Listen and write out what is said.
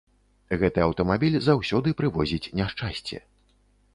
Гэты аўтамабіль заўсёды прывозіць няшчасце.